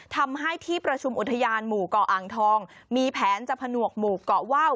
ทำให้ที่ประชุมอุทยานหมู่เกาะอ่างทองมีแผนจะผนวกหมู่เกาะว่าว